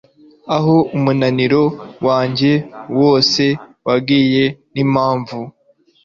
Aho umunaniro wanjye wose wagiye nimpamvu